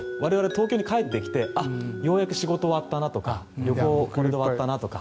我々、どっちかっていうと東京に帰ってきてようやく仕事が終わったなとか旅行がこれで終わったなとか。